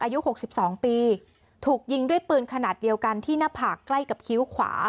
อายุ๖๒ปีถูกยิงด้วยปืนขนาดเดียวกันที่หน้าผากใกล้กับคิ้วขวา